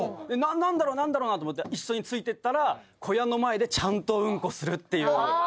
何だろ何だろな？と思って一緒に付いていったら小屋の前でちゃんとウンコするっていう。